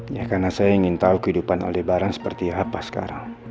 ya karena saya ingin tahu kehidupan lebaran seperti apa sekarang